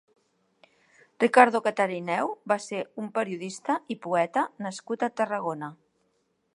Ricardo Catarineu va ser un periodista i poeta nascut a Tarragona.